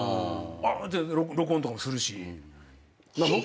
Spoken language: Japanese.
録音とかもするし。